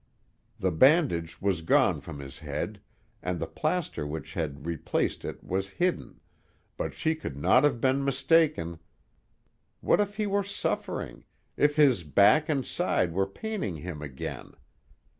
The bandage was gone from his head, and the plaster which had replaced it was hidden, but she could not have been mistaken. What if he were suffering, if his back and side were paining him again?